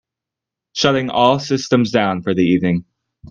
Shutting all systems down for the evening.